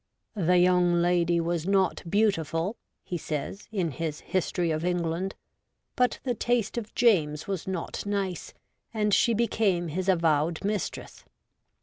' The young lady was not beautiful,' he says, in his History of England, ' but the taste of James was not nice, and she became his avowed mistress.